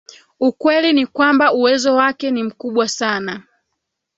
Ukweli ni kwamba uwezo wake ni mkubwa sana